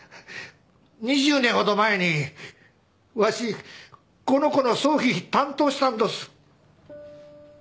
２０年ほど前にわしこの子の葬儀担当したんどす。